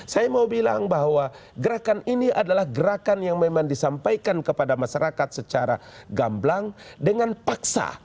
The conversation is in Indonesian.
saya mau bilang bahwa gerakan ini adalah gerakan yang memang disampaikan kepada masyarakat secara gamblang dengan paksa